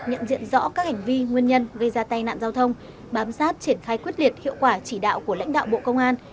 nhận diện rõ các hành vi nguyên nhân gây ra tai nạn giao thông bám sát triển khai quyết liệt hiệu quả chỉ đạo của lãnh đạo bộ công an